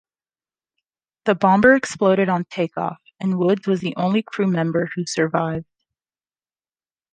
The bomber exploded on take-off, and Woods was the only crew member who survived.